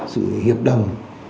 sự hiệp đồng